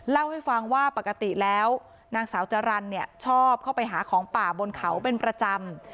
เล่าให้ฟังว่าปกติแล้วนางสาวจรรย์เนี่ยชอบเข้าไปหาของป่าบนเขาเป็นประจำ